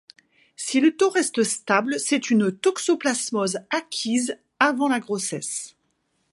Si le taux reste stable, c'est une toxoplamose acquise avant la grossesse.